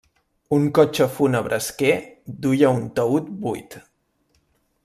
Un cotxe fúnebre esquer duia un taüt buit.